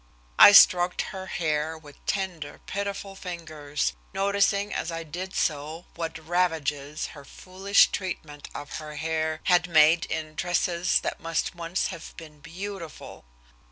I stroked her hair with tender, pitiful fingers, noticing as I did so what ravages her foolish treatment of her hair had made in tresses that must once have been beautiful.